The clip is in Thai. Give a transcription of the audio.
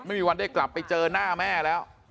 ไม่มีวันได้กลับไปเจอหน้าแม่แล้ว